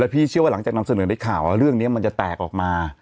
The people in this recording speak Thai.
พี่เชื่อว่าหลังจากนำเสนอในข่าวเรื่องนี้มันจะแตกออกมา